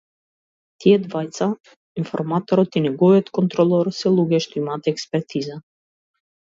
Тие двајца, информаторот и неговиот контролор се луѓе што имаат експертиза.